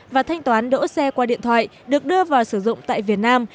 và thanh toán đỗ xe qua điện thoại được đưa vào sử dụng tại việt nam